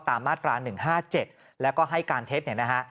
ตามมาสกราน๑๕๗แล้วก็ให้การเท็ตให้นะฮะ